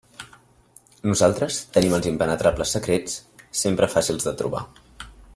Nosaltres tenim els impenetrables secrets sempre fàcils de trobar.